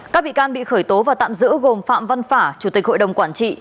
các bị can bị khởi tố và tạm giữ gồm phạm văn phả chủ tịch hội đồng quản trị